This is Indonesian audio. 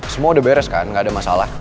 semua udah beres kan gak ada masalah